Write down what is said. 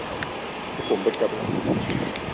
Me te kome betebela.